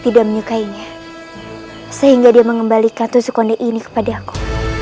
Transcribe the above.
tidak menyukainya sehingga dia mengembalikan tusuk konde ini kepada aku